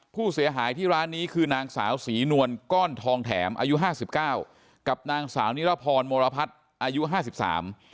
ผู้เสียหายที่ร้านนี้คือนางสาวศรีนวลก้อนทองแถมอายุห้าสิบเก้ากับนางสาวนิรพรมรพัฒน์อายุห้าสิบสาม